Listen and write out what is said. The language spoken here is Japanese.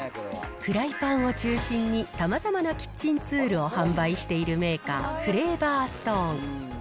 フライパンを中心に、さまざまなキッチンツールを販売しているメーカー、フレーバーストーン。